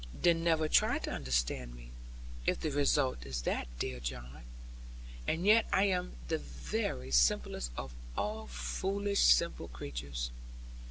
'Then never try to understand me, if the result is that, dear John. And yet I am the very simplest of all foolish simple creatures.